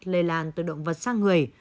lây lan từ động vật sang người